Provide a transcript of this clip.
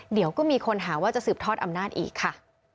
เดี๋ยวก็มีคนหาว่าจะสืบทอดอำนาจอีกค่ะ